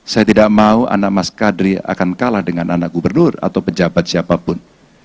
saya tidak mau anak mas kadri akan kalah dengan anak gubernur atau pejabat siapapun